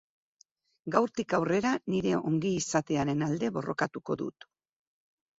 Gaurtik aurrera nire ongi-izatearen alde borrokatuko dut.